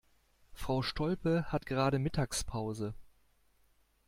Frau Stolpe hat gerade Mittagspause.